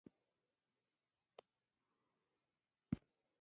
د ټولنې ګټو ته فکر کوي.